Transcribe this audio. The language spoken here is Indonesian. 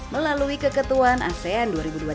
melalui keketuan asean dua ribu dua puluh tiga